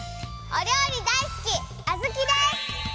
おりょうりだいすきアズキです！